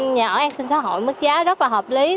nhà ở an sinh xã hội mức giá rất là hợp lý